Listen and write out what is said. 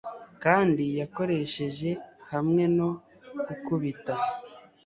Kandi yakoresheje hamwe no gukubita